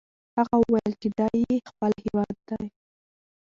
هغه وویل چې دا یې خپل هیواد دی.